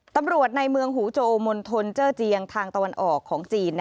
ตำรวจในเมืองหูโจมณฑลเจอร์เจียงทางตะวันออกของจีน